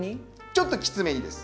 ちょっときつめにです。